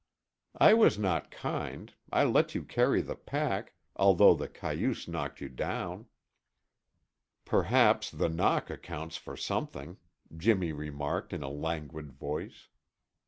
"I was not kind. I let you carry the pack, although the cayuse knocked you down." "Perhaps the knock accounts for something," Jimmy remarked in a languid voice.